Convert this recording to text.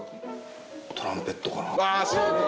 トランペットかな。